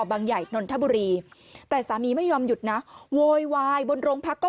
ใหญ่นนทบุรีแต่สามีไม่ยอมหยุดนะโวยวายบนโรงพักก็